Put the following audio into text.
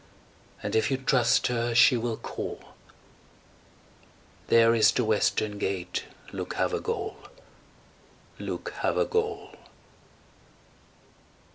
and if you trust her she will call. There is the western gate, Luke Havergal Luke Havergal.